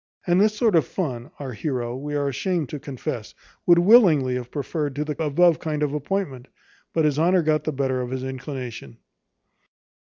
And this sort of fun, our heroe, we are ashamed to confess, would willingly have preferred to the above kind appointment; but his honour got the better of his inclination.